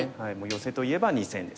ヨセといえば２線ですね。